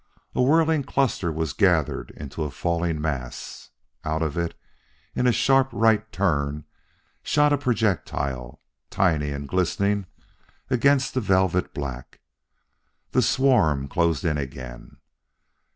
A whirling cluster was gathered into a falling mass. Out of it in a sharp right turn shot a projectile, tiny and glistening against the velvet black. The swarm closed in again....